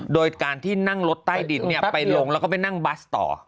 โดยการที่นั่งรถใต้ดินไปลงแล้วก็ไปนั่งบัสต่อ